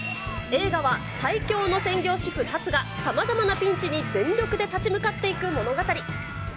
映画は最強の専業主夫、龍が、さまざまなピンチに全力で立ち向かっていく物語。